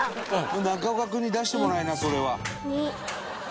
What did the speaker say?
「中岡君に出してもらいなそれは」